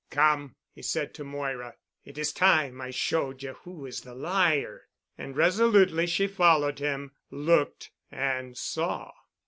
"Come," he said to Moira. "It is time I showed you who is the liar." And resolutely she followed him, looked—and saw.